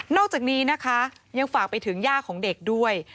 อกจากนี้นะคะยังฝากไปถึงย่าของเด็กด้วย